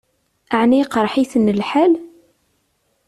Ɛni iqṛeḥ-itent lḥal?